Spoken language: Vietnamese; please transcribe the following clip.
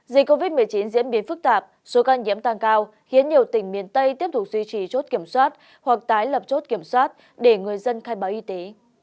dịch covid một mươi chín diễn biến phức tạp số ca nhiễm tăng cao khiến nhiều tỉnh miền tây tiếp tục duy trì chốt kiểm soát hoặc tái lập chốt kiểm soát để người dân khai báo y tế